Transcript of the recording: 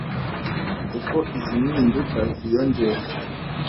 Uko izi mpimduka ziyongera